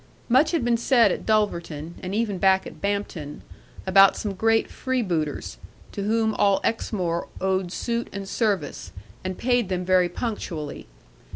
Much had been said at Dulverton, and even back at Bampton, about some great freebooters, to whom all Exmoor owed suit and service, and paid them very punctually.